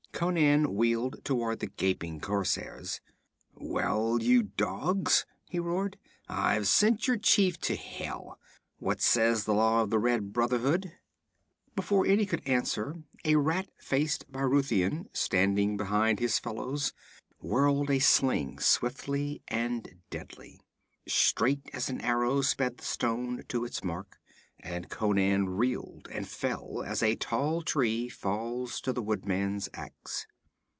Conan wheeled toward the gaping corsairs. 'Well, you dogs!' he roared. 'I've sent your chief to hell. What says the law of the Red Brotherhood?' Before any could answer, a rat faced Brythunian, standing behind his fellows, whirled a sling swiftly and deadly. Straight as an arrow sped the stone to its mark, and Conan reeled and fell as a tall tree falls to the woodsman's ax.